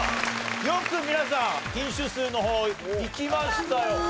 よく皆さん品種数の方いきましたよ。